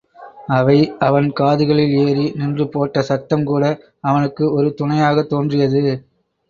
அவை அவன் காதுகளில் ஏறி நின்று போட்ட சத்தம் கூட அவனுக்கு ஒரு துணையாகத் தோன்றியது.